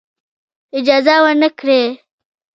اجازه ورنه کړی.